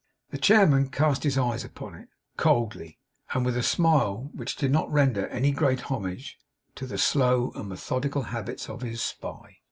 The chairman cast his eyes upon it, coldly, and with a smile which did not render any great homage to the slow and methodical habits of his spy.